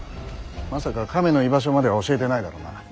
まさか亀の居場所までは教えてないだろうな。